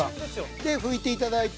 で、拭いていただいて。